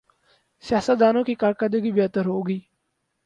سیاستدانوں کی کارکردگی بہتر ہو گی۔